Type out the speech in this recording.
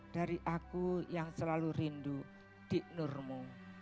dari aku yang selalu rindu di nurmu